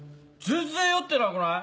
全然酔ってなくない？